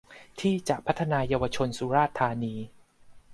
ที่จะพัฒนาเยาวชนสุราษฏร์ธานี